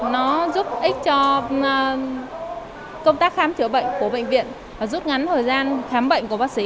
nó giúp ích cho công tác khám chữa bệnh của bệnh viện và rút ngắn thời gian khám bệnh của bác sĩ